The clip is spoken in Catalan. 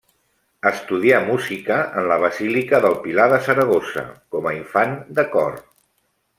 Estudià música en la Basílica del Pilar de Saragossa com a infant de cor.